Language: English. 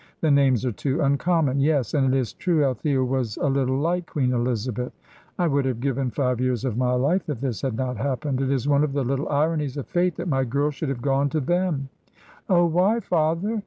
"The names are too uncommon. Yes, and it is true, Althea was a little like Queen Elizabeth. I would have given five years of my life that this had not happened. It is one of the little ironies of fate that my girl should have gone to them." "Oh, why, father?"